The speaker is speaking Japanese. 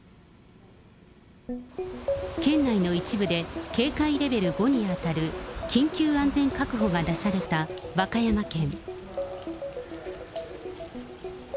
県内の一部で警戒レベル５に当たる、緊急安全確保が出された和歌山県。